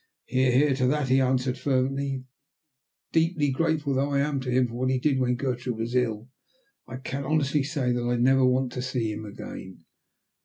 "Hear, hear, to that," he answered fervently. "Deeply grateful though I am to him for what he did when Gertrude was ill, I can honestly say that I never want to see him again."